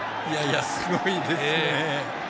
すごいですね。